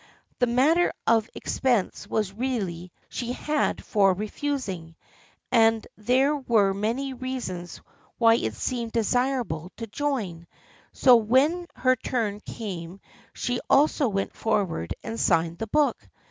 The matter of expense was really the only reason she had for refusing, and there were many reasons why it seemed desirable to join, so when her turn came she also went forward and signed the book.